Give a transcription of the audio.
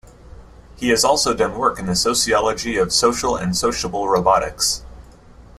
He has also done work in the sociology of social and sociable robotics.